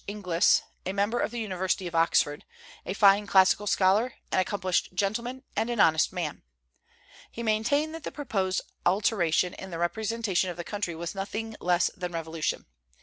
Inglis, member of the university of Oxford, a fine classical scholar, an accomplished gentleman, and an honest man. He maintained that the proposed alteration in the representation of the country was nothing less than revolution.